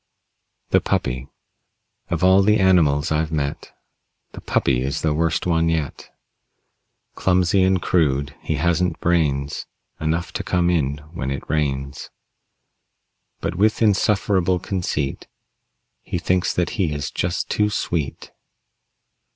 THE PUPPY Of all the animals I've met The Puppy is the worst one yet. Clumsy and crude, he hasn't brains Enough to come in when it rains. But with insufferable conceit He thinks that he is just too sweet.